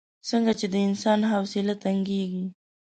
څنګه چې د انسان حوصله تنګېږي.